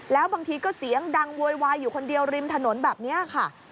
แล้วบางทีก็เสียงดังโวยวายอยู่คนเดียวริมถนนแบบนี้ค่ะ